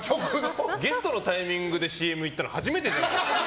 ゲストのタイミングでＣＭに行ったの初めてじゃない？